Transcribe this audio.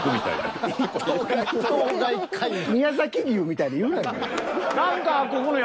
宮崎牛みたいに言うなよ。